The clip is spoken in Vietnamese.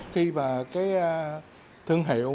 khi mà cái thương hiệu